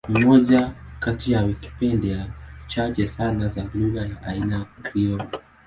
Ni moja kati ya Wikipedia chache sana za lugha ya aina ya Krioli.